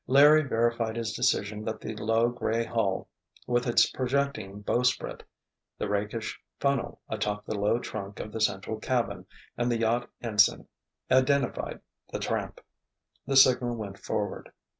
Larry verified his decision that the low, gray hull, with its projecting bowsprit, the rakish funnel atop the low trunk of the central cabin, and the yacht ensign, identified the Tramp. The signal went forward.